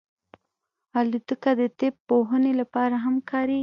الوتکه د طب پوهنې لپاره هم کارېږي.